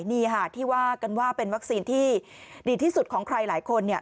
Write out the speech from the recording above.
นี่ค่ะที่ว่ากันว่าเป็นวัคซีนที่ดีที่สุดของใครหลายคนเนี่ย